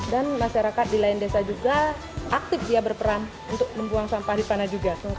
dan masyarakat di lain desa juga aktif ya berperan untuk membuang sampah di sana juga